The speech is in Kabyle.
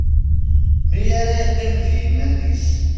Mi ara yeqqim d yiman-is.